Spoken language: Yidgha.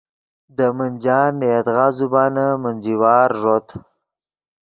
دے منجان نے یدغا زبانن منجی وار ݱوت